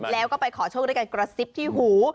แล้วก็ไปขอโชคด้วยการกระซิบที่หู